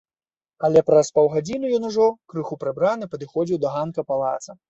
Але праз паўгадзіны ён ужо, крыху прыбраны, падыходзіў да ганка палаца.